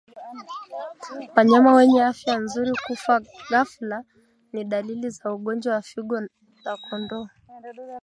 Wanyama wenye afya nzuri kufa ghafla ni dalili za ugonjwa wa figo za kondoo